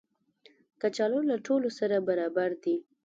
کچالو له ټولو سره برابر دي